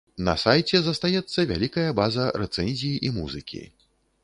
На сайце застаецца вялікая база рэцэнзій і музыкі.